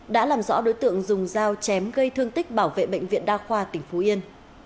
đã làm rõ đối tượng dùng dao chém gây thương tích bảo vệ bệnh viện đa khoa tỉnh phú yên